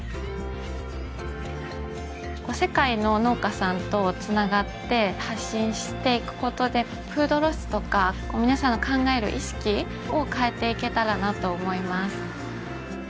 世界の農家さんとつながって発信していくことでフードロスとかみなさんが考える意識をかえていけたらなと思います